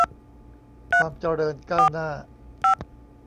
ความเจริญก้าวหน้า